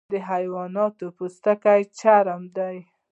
د حیواناتو پوستکی چرم دی